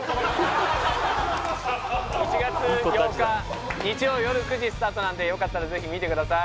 １月８日日曜よる９時スタートなんでよかったらぜひ見てください